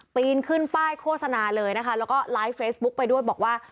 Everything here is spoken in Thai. ปีนขึ้นป้ายโฆษณาเลยนะคะแล้วก็ไลฟ์เฟซบุ๊คไปด้วยบอกว่า